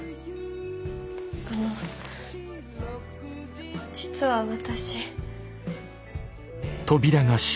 あの実は私。